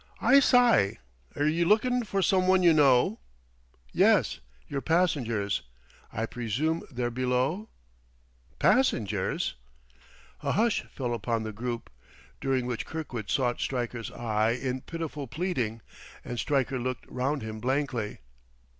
"I sye, 're you lookin' for some one you know?" "Yes your passengers. I presume they're below ?" "Passengers!" A hush fell upon the group, during which Kirkwood sought Stryker's eye in pitiful pleading; and Stryker looked round him blankly.